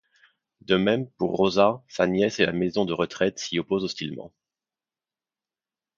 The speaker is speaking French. De même pour Rosa, sa nièce et la maison de retraite s'y opposent hostilement.